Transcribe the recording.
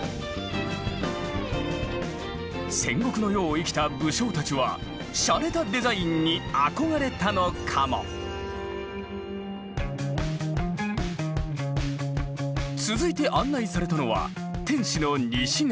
戦国の世を生きた武将たちはしゃれたデザインに憧れたのかも⁉続いて案内されたのは天守の西側。